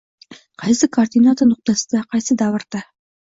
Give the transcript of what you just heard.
qaysi koordinata nuqtasida, qaysi davrda